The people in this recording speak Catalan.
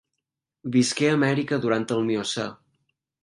Visqué a Amèrica durant el Miocè.